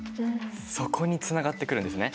そこにつながってくるんですね。